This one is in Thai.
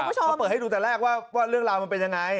เขาเปิดให้ดูแต่แรกว่าเรื่องราวมันเป็นยังไง